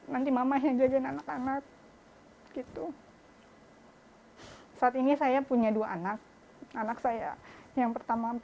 nanti mama yang jajan anak anak gitu saat ini saya punya dua anak anak saya yang pertama